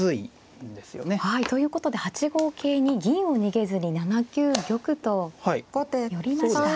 ということで８五桂に銀を逃げずに７九玉と寄りました。